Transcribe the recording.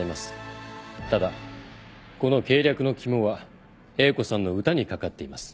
ただこの計略の肝は英子さんの歌にかかっています。